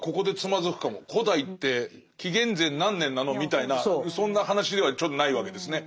「古代」って紀元前何年なのみたいなそんな話ではちょっとないわけですね。